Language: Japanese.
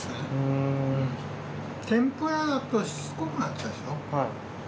天ぷらだとしつこくなっちゃうでしょ。